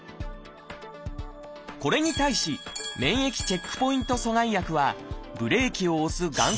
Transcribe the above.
これに対し免疫チェックポイント阻害薬はブレーキを押すがん